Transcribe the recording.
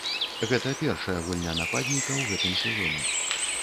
Гэта першая гульня нападніка ў гэтым сезоне.